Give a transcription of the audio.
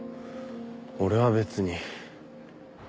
俺は別に。